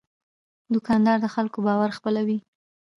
دوکاندار د خلکو باور خپلوي.